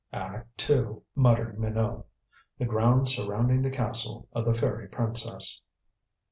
"Act Two," muttered Minot. "The grounds surrounding the castle of the fairy princess."